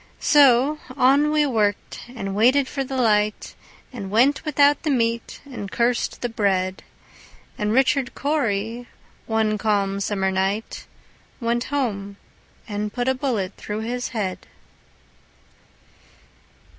So on we worked, and waited for the light, And went without the meat, and cursed the bread; And Richard Cory, one calm summer night, Went home and put a bullet through his head.